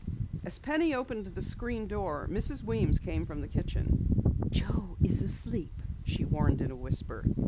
As Penny opened the screen door, Mrs. Weems came from the kitchen. "Joe is asleep," she warned in a whisper.